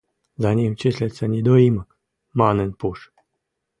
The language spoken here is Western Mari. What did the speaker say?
– За ним числится недоимок, – манын пуш.